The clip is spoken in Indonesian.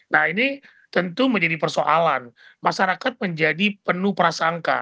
nah ini tentu menjadi persoalan masyarakat menjadi penuh prasangka